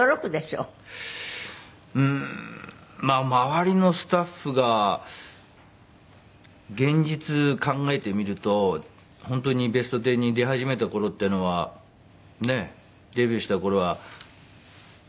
うーんまあ周りのスタッフが現実考えてみると本当に『ベストテン』に出始めた頃っていうのはねえデビューした頃はスタッフ？